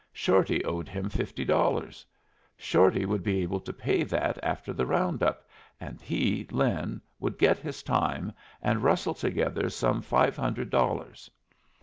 Shorty owed him fifty dollars. Shorty would be able to pay that after the round up, and he, Lin, would get his time and rustle altogether some five hundred dollars.